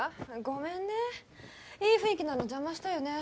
ごめんねいい雰囲気なの邪魔したよね